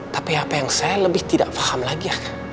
tapi apa yang saya lebih tidak paham lagi